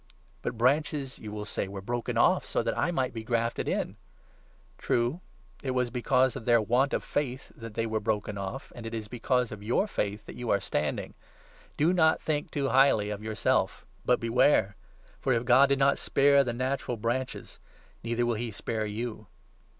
But branches, you will say, were broken off, so that I 19 might be grafted in. True ; it was because of their want of 20 faith that they were broken off, and it is because of your faith that you are standing. Do not think too highly of yourself, but beware. For, if God did not spare the natural 21 branches, neither will he spare you.